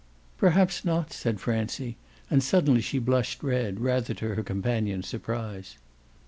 "Perhaps not," said Francie; and suddenly she blushed red, rather to her companion's surprise.